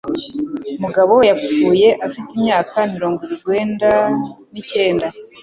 Mugabo yapfuye afite imyaka mirongo urwenda n'icyenda.